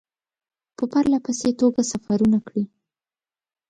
په پرله پسې توګه سفرونه کړي.